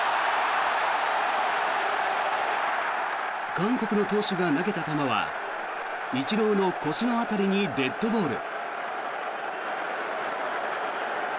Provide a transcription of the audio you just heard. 韓国の投手が投げた球はイチローの腰の辺りにデッドボール。